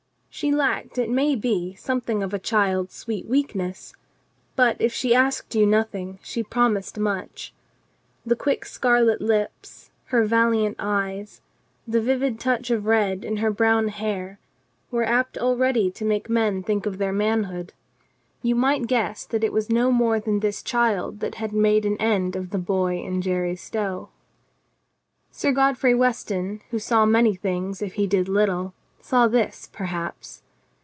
She lacked, it may be, something of a child's sweet weakness, but, if she asked you nothing, she promised much. The quick scarlet lips, her valiant eyes, the vivid touch of red in her brown hair, were apt already to make men think of their HOW THE WORLD LOOKED THEN 3 manhood. You might guess that it was no more than this child that had made an end of the boy in Jerry Stow. Sir Godfrey Weston, who saw many things if he did little, saw this, perhaps.